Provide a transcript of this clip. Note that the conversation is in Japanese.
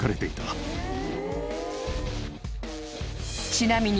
［ちなみに］